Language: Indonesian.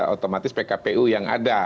otomatis pkpu yang ada